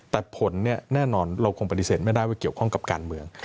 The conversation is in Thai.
แต่ผลเนี่ยแน่นอนเราคงปฏิเสธไม่ได้ว่าเกี่ยวข้องกับการเมือง